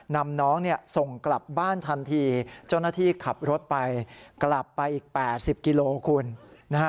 นำน้องเนี่ยส่งกลับบ้านทันทีเจ้าหน้าที่ขับรถไปกลับไปอีก๘๐กิโลคุณนะฮะ